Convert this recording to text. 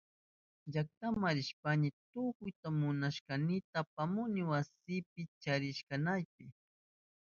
Llaktama rishpayni tukuy munashkaynita apamuni wasinipi charinaynipa.